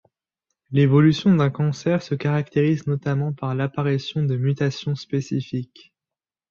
L'évolution d'un cancer se caractérise notamment par l'apparition de mutations spécifiques.